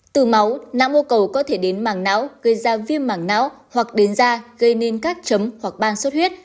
từ máu não mô cầu có thể đến màng não gây ra viêm màng não hoặc đến da gây nên các chấm hoặc ban suốt huyết